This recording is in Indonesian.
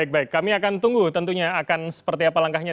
baik baik kami akan tunggu tentunya akan seperti apa langkahnya